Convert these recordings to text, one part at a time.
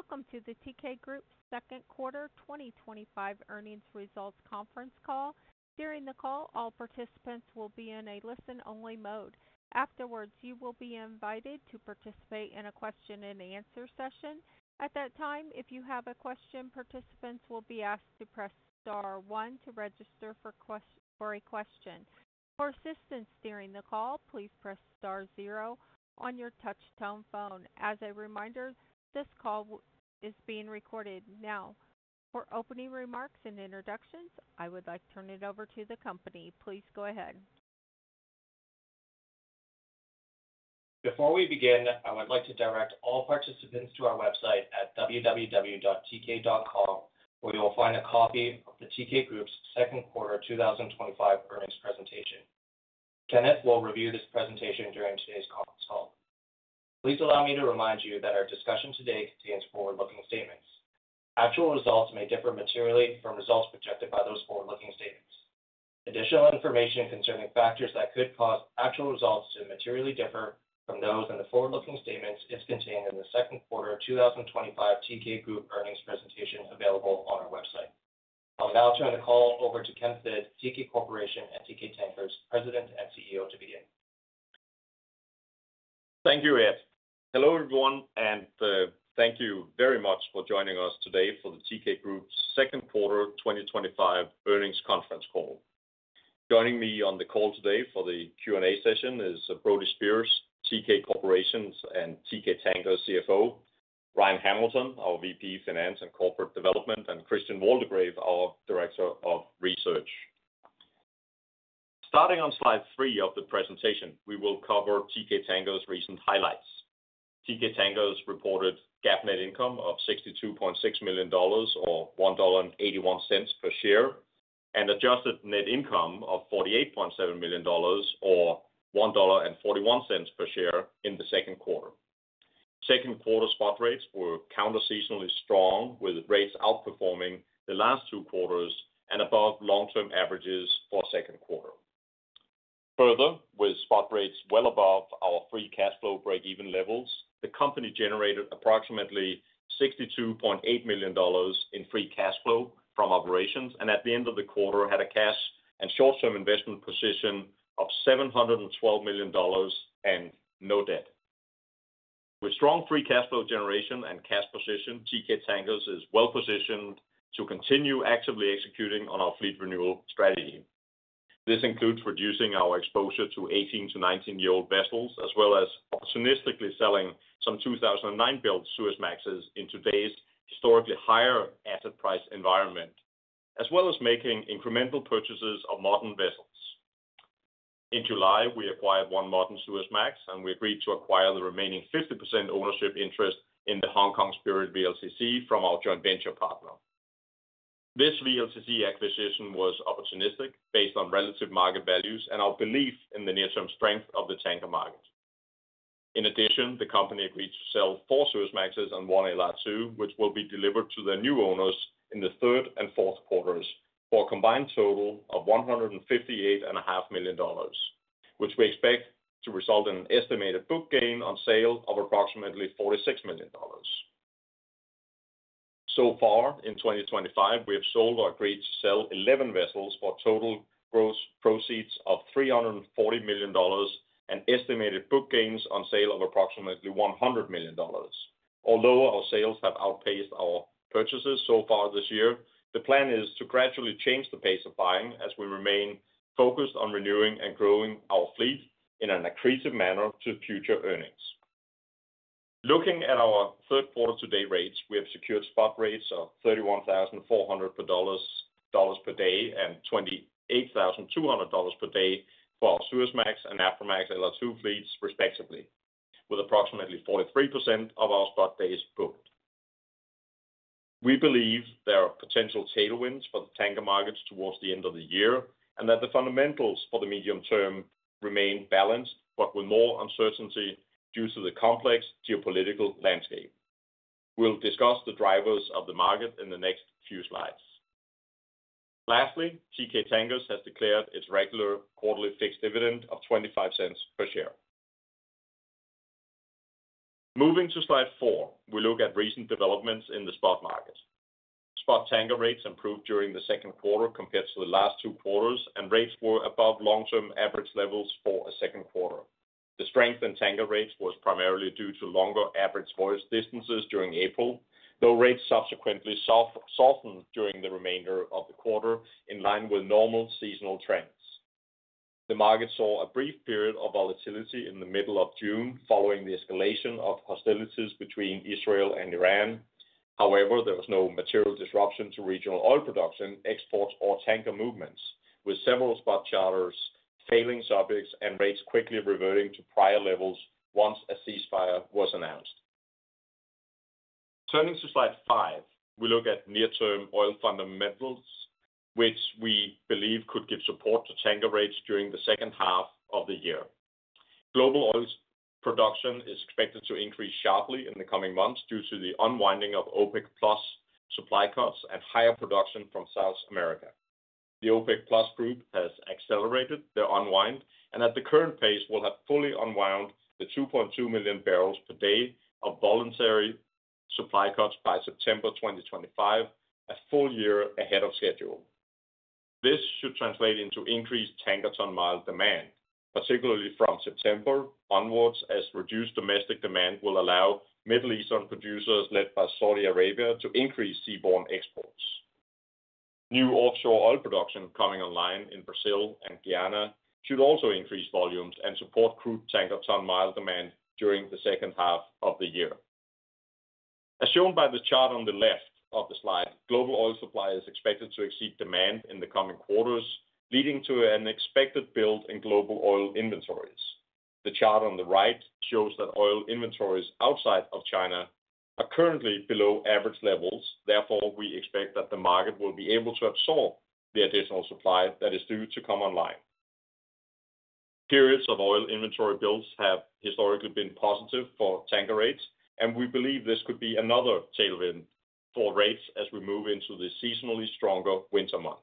Welcome to the Teekay Group's Second Quarter2025 Earnings Results Conference Call. During the call, all participants will be in a listen-only mode. Afterwards, you will be invited to participate in a question and answer session. At that time, if you have a question, participants will be asked to press star one to register for a question. For assistance during the call, please press star zero on your touch-tone phone. As a reminder, this call is being recorded. Now, for opening remarks and introductions, I would like to turn it over to the company. Please go ahead. Before we begin, I would like to direct all participants to our website at www.teekay.com, where you will find a copy of the Teekay Group's second quarter 2025 earnings presentation. Kenneth will review this presentation during today's conference call. Please allow me to remind you that our discussion today states forward-looking statements. Actual results may differ materially from results projected by those forward-looking statements. Additional information concerning factors that could cause actual results to materially differ from those in the forward-looking statements is contained in the second quarter 2025 Teekay Group Earnings Presentation available on our website. I'll now turn the call over to Kenneth Hvid, Teekay Corporation and Teekay Tankers' President and CEO, to begin. Thank you, Ed. Hello everyone, and thank you very much for joining us today for the Teekay Group's second quarter 2025 earnings conference call. Joining me on the call today for the Q&A session is Brody Speers, Teekay Corporation's and Teekay Tankers' CFO, Ryan Hamilton, our VP of Finance and Corporate Development, and Christian Waldegrave, our Director of Research. Starting on slide three of the presentation, we will cover Teekay Tankers' recent highlights. Teekay Tankers reported GAAP net income of $62.6 million or $1.81 per share and adjusted net income of $48.7 million or $1.41 per share in the second quarter. Second quarter spot rates were counter-seasonally strong, with rates outperforming the last two quarters and above long-term averages for the second quarter. Further, with spot rates well above our free cash flow break-even levels, the company generated approximately $62.8 million in free cash flow from operations, and at the end of the quarter had a cash and short-term investment position of $712 million and no debt. With strong free cash flow generation and cash position, Teekay Tankers is well positioned to continue actively executing on our fleet renewal strategy. This includes reducing our exposure to 18 to 19-year-old vessels, as well as synthetically selling some 2009-built Suezmaxes in today's historically higher asset price environment, as well as making incremental purchases of modern vessels. In July, we acquired one modern Suezmax and we agreed to acquire the remaining 50% ownership interest in the Hong Kong Spirit VLCC from our joint venture partner. This VLCC acquisition was opportunistic based on relative market values and our belief in the near-term strength of the tanker market. In addition, the company agreed to sell four Suezmaxes and one LR2, which will be delivered to the new owners in the third and fourth quarters for a combined total of $158.5 million, which we expect to result in an estimated book gain on sale of approximately $46 million. In 2025, we have sold or agreed to sell 11 vessels for total gross proceeds of $340 million and estimated book gains on sale of approximately $100 million. Although our sales have outpaced our purchases so far this year, the plan is to gradually change the pace of buying as we remain focused on renewing and growing our fleet in an accretive manner to future earnings. Looking at our third quarter to date rates, we have secured spot rates of $31,400 per day and $28,200 per day for our Suezmax and Aframax LR2 fleets, respectively, with approximately 43% of our spot days booked. We believe there are potential tailwinds for the tanker markets towards the end of the year and that the fundamentals for the medium term remain balanced, but with more uncertainty due to the complex geopolitical landscape. We'll discuss the drivers of the market in the next few slides. Lastly, Teekay Tankers has declared its regular quarterly fixed dividend of $0.25 per share. Moving to slide four, we look at recent developments in the spot market. Spot tanker rates improved during the second quarter compared to the last two quarters, and rates were above long-term average levels for a second quarter. The strength in tanker rates was primarily due to longer average voyage distances during April, though rates subsequently softened during the remainder of the quarter in line with normal seasonal trends. The market saw a brief period of volatility in the middle of June following the escalation of hostilities between Israel and Iran. However, there was no material disruption to regional oil production, exports, or tanker movements, with several spot charters failing subjects and rates quickly reverting to prior levels once a ceasefire was announced. Turning to slide five, we look at near-term oil fundamentals, which we believe could give support to tanker rates during the second half of the year. Global oil production is expected to increase sharply in the coming months due to the unwinding of OPEC+ supply cuts and higher production from South America. The OPEC+ group has accelerated their unwind and at the current pace will have fully unwound the 2.2 million barrels per day of voluntary supply cuts by September 2025, a full year ahead of schedule. This should translate into increased tanker ton-mile demand, particularly from September onwards, as reduced domestic demand will allow Middle Eastern producers led by Saudi Arabia to increase seaborne exports. New offshore oil production coming online in Brazil and Guyana should also increase volumes and support crude tanker ton-mile demand during the second half of the year. As shown by the chart on the left of the slide, global oil supply is expected to exceed demand in the coming quarters, leading to an expected build in global oil inventories. The chart on the right shows that oil inventories outside of China are currently below average levels. Therefore, we expect that the market will be able to absorb the additional supply that is due to come online. Periods of oil inventory builds have historically been positive for tanker rates, and we believe this could be another tailwind for rates as we move into the seasonally stronger winter months.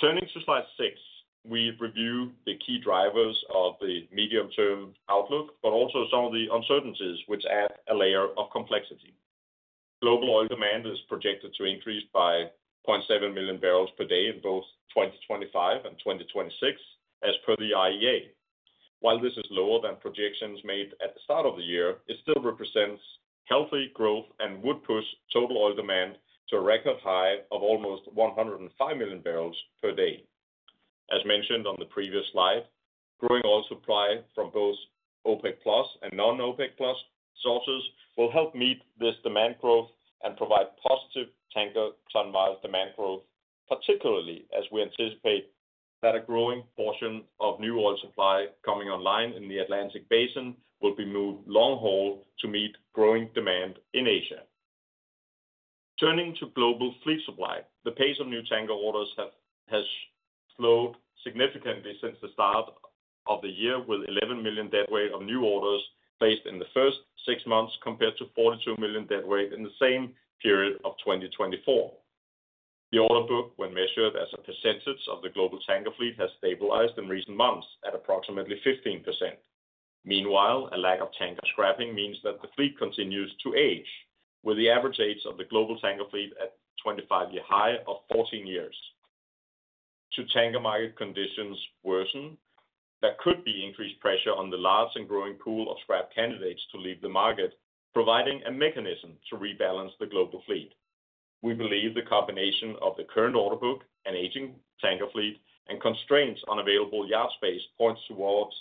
Turning to slide six, we review the key drivers of the medium-term outlook, but also some of the uncertainties which add a layer of complexity. Global oil demand is projected to increase by 0.7 million barrels per day in both 2025 and 2026, as per the IEA. While this is lower than projections made at the start of the year, it still represents healthy growth and would push total oil demand to a record high of almost 105 million barrels per day. As mentioned on the previous slide, growing oil supply from both OPEC+ and non-OPEC+ sources will help meet this demand growth and provide positive tanker ton-mile demand growth, particularly as we anticipate that a growing portion of new oil supply coming online in the Atlantic Basin will be moved long haul to meet growing demand in Asia. Turning to global fleet supply, the pace of new tanker orders has slowed significantly since the start of the year, with 11 million deadweight of new orders placed in the first six months compared to 42 million deadweight in the same period of 2024. The order book, when measured as a percentage of the global tanker fleet, has stabilized in recent months at approximately 15%. Meanwhile, a lack of tanker scrapping means that the fleet continues to age, with the average age of the global tanker fleet at a 25-year high of 14 years. Should tanker market conditions worsen, there could be increased pressure on the large and growing pool of scrap candidates to leave the market, providing a mechanism to rebalance the global fleet. We believe the combination of the current order book and aging tanker fleet and constraints on available yard space points towards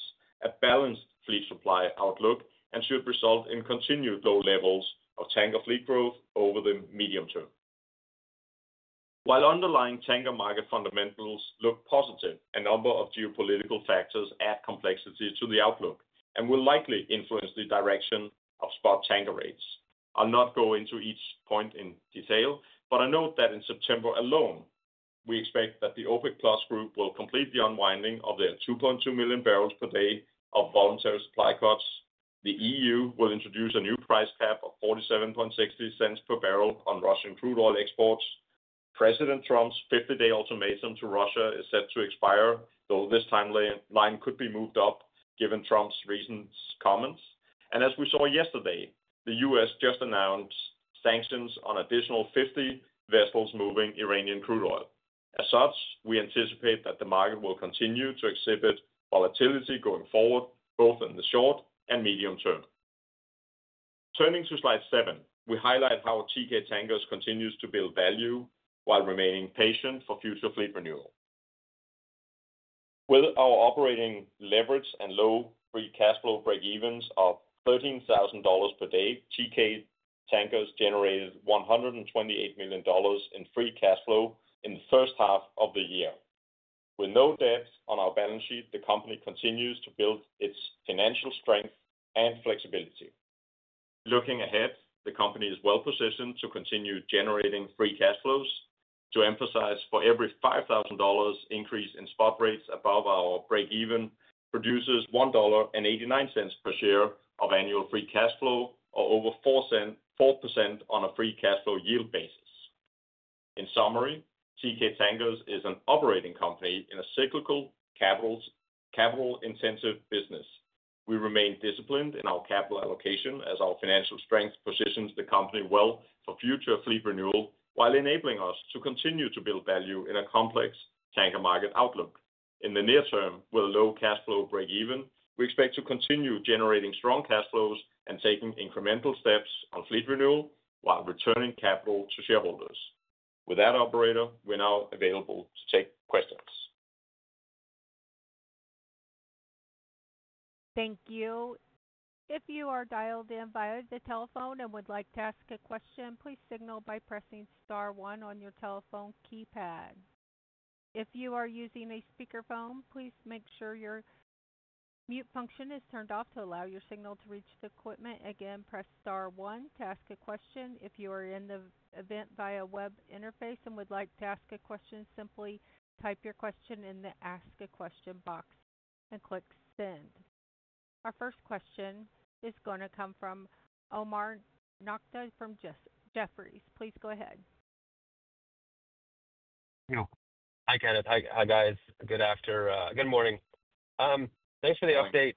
a balanced fleet supply outlook and should result in continued low levels of tanker fleet growth over the medium term. While underlying tanker market fundamentals look positive, a number of geopolitical factors add complexity to the outlook and will likely influence the direction of spot tanker rates. I'll not go into each point in detail, but I note that in September alone, we expect that the OPEC+ group will complete the unwinding of their 2.2 million barrels per day of voluntary supply cuts. The EU will introduce a new price cap of $47.60 per barrel on Russian crude oil exports. President Trump's 50-day ultimatum to Russia is set to expire, though this timeline could be moved up given Trump's recent comments. As we saw yesterday, the U.S. just announced sanctions on an additional 50 vessels moving Iranian crude oil. As such, we anticipate that the market will continue to exhibit volatility going forward, both in the short and medium term. Turning to slide seven, we highlight how Teekay Tankers continues to build value while remaining patient for future fleet renewal. With our operating leverage and low free cash flow break-evens of $13,000 per day, Teekay Tankers generated $128 million in free cash flow in the first half of the year. With no debt on our balance sheet, the company continues to build its financial strength and flexibility. Looking ahead, the company is well positioned to continue generating free cash flows. To emphasize, for every $5,000 increase in spot rates above our break-even produces $1.89 per share of annual free cash flow, or over 4% on a free cash flow yield basis. In summary, Teekay Tankers is an operating company in a cyclical, capital-intensive business. We remain disciplined in our capital allocation as our financial strength positions the company well for future fleet renewal, while enabling us to continue to build value in a complex tanker market outlook. In the near term, with a low cash flow break-even, we expect to continue generating strong cash flows and taking incremental steps on fleet renewal while returning capital to shareholders. With that, operator, we're now available to take questions. Thank you. If you are dialed in via the telephone and would like to ask a question, please signal by pressing star one on your telephone keypad. If you are using a speakerphone, please make sure your mute function is turned off to allow your signal to reach the equipment. Again, press star one to ask a question. If you are in the event via web interface and would like to ask a question, simply type your question in the ask a question box and click send. Our first question is going to come from Omar Nokta from Jefferies. Please go ahead. Hi, guys. Good afternoon. Good morning. Thanks for the update.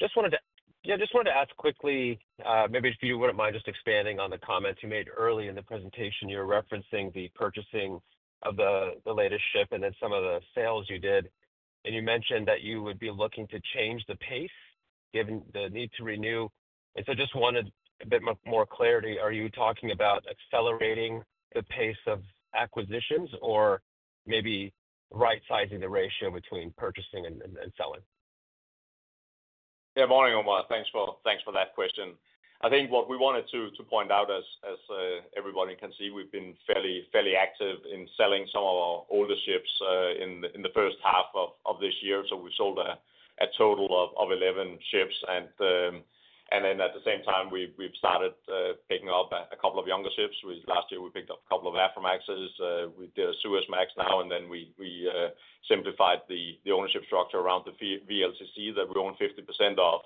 Just wanted to ask quickly if you wouldn't mind just expanding on the comments you made early in the presentation. You're referencing the purchasing of the latest ship and then some of the sales you did. You mentioned that you would be looking to change the pace given the need to renew. Just wanted a bit more clarity. Are you talking about accelerating the pace of acquisitions or maybe right-sizing the ratio between purchasing and selling? Yeah, morning Omar. Thanks for that question. I think what we wanted to point out is, as everybody can see, we've been fairly active in selling some of our older ships in the first half of this year. We sold a total of 11 ships. At the same time, we've started picking up a couple of younger ships. Last year, we picked up a couple of Aframaxes. We did a Suezmax now, and we simplified the ownership structure around the VLCC that we own 50% of.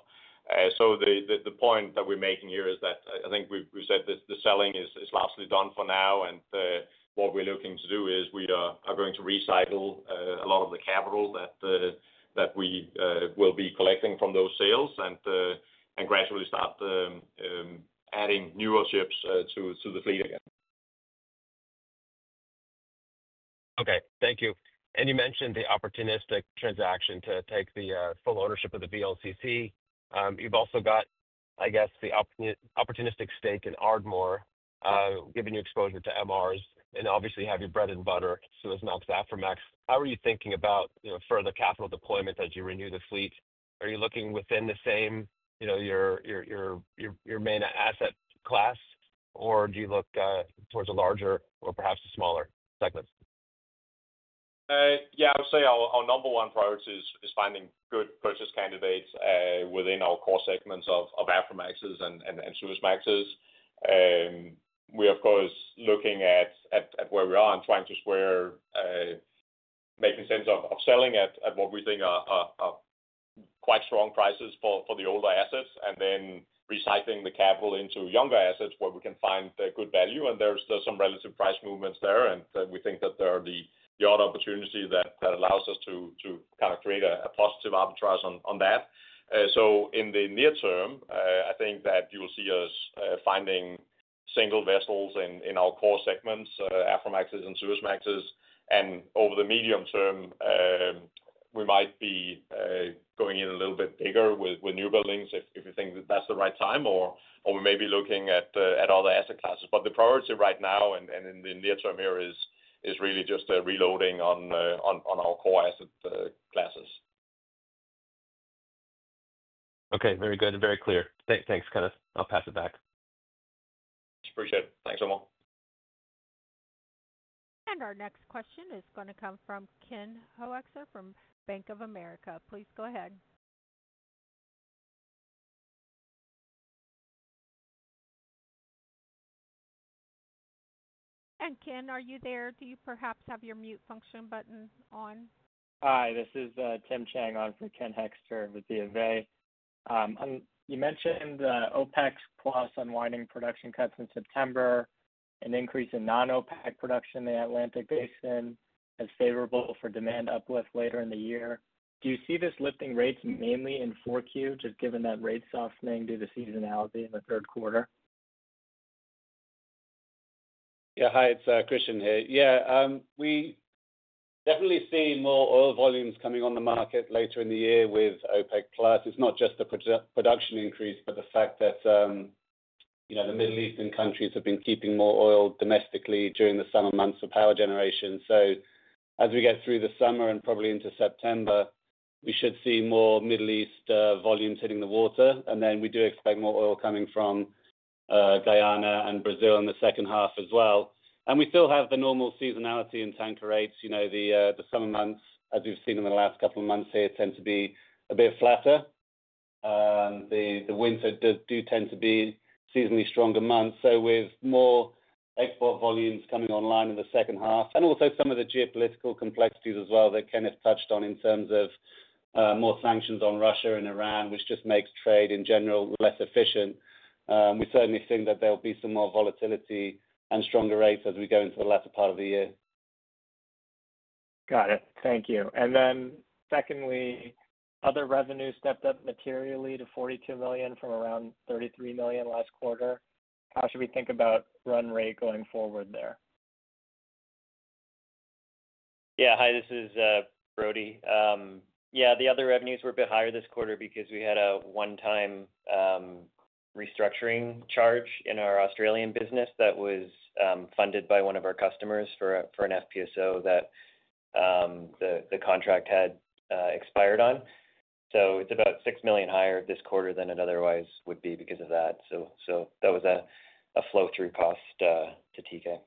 The point that we're making here is that I think we've said that the selling is largely done for now. What we're looking to do is we are going to recycle a lot of the capital that we will be collecting from those sales and gradually start adding newer ships to the fleet again. Okay, thank you. You mentioned the opportunistic transaction to take the full ownership of the VLCC. You've also got, I guess, the opportunistic stake in Ardmore, giving you exposure to MRs and obviously have your bread and butter, Suezmax and Aframax. How are you thinking about further capital deployment as you renew the fleet? Are you looking within the same, you know, your main asset class, or do you look towards a larger or perhaps a smaller segment? Yeah, I would say our number one priority is finding good purchase candidates within our core segments of Aframaxes and Suezmaxes. We are, of course, looking at where we are and trying to square making sense of selling at what we think are quite strong prices for the older assets and then recycling the capital into younger assets where we can find good value. There are some relative price movements there, and we think that there are the odd opportunities that allow us to kind of create a positive arbitrage on that. In the near term, I think that you will see us finding single vessels in our core segments, Aframaxes and Suezmaxes. Over the medium term, we might be going in a little bit bigger with newbuildings if you think that that's the right time, or we may be looking at other asset classes. The priority right now and in the near term here is really just reloading on our core asset classes. Okay, very good and very clear. Thanks, Kevin. I'll pass it back. Appreciate it. Thanks, Omar. Our next question is going to come from Ken Hoexter from Bank of America. Please go ahead. Ken, are you there? Do you perhaps have your mute function button on? Hi, this is Tim Chang on for Ken Hoexter with BofA. You mentioned OPEC+ unwinding production cuts in September, an increase in non-OPEC production in the Atlantic Basin as favorable for demand uplift later in the year. Do you see this lifting rates mainly in 4Q, just given that rate softening due to seasonality in the third quarter? Yeah, hi, it's Christian here. We definitely see more oil volumes coming on the market later in the year with OPEC+. It's not just the production increase, but the fact that the Middle Eastern countries have been keeping more oil domestically during the summer months for power generation. As we get through the summer and probably into September, we should see more Middle East volumes hitting the water. We do expect more oil coming from Guyana and Brazil in the second half as well. We still have the normal seasonality in tanker rates. The summer months, as we've seen in the last couple of months here, tend to be a bit flatter. The winters do tend to be seasonally stronger months. With more export volumes coming online in the second half, and also some of the geopolitical complexities as well that Kenneth touched on in terms of more sanctions on Russia and Iran, which just makes trade in general less efficient, we certainly think that there will be some more volatility and stronger rates as we go into the latter part of the year. Got it. Thank you. Secondly, other revenue stepped up materially to $42 million from around $33 million last quarter. How should we think about run rate going forward there? Yeah, hi, this is Brody. The other revenues were a bit higher this quarter because we had a one-time restructuring charge in our Australian business that was funded by one of our customers for an FPSO that the contract had expired on. It's about $6 million higher this quarter than it otherwise would be because of that. That was a flow-through cost to Teekay.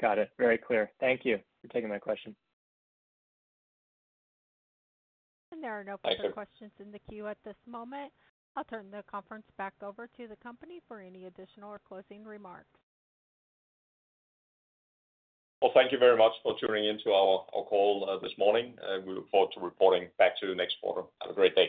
Got it. Very clear. Thank you for taking that question. There are no further questions in the queue at this moment. I'll turn the conference back over to the company for any additional or closing remarks. Thank you very much for tuning in to our call this morning. We look forward to reporting back to you next quarter. Have a great day.